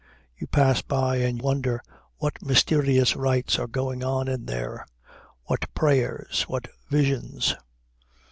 You pass by and wonder what mysterious rites are going on in there, what prayers, what visions?